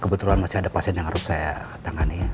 kebetulan masih ada pasien yang harus saya tangani